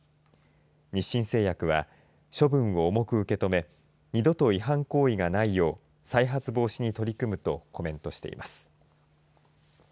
日新製薬は処分を重く受け止め二度と違反行為がないよう再発防止に取り組むとコメントしています。